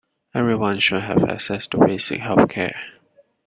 Everyone should have access to basic health-care.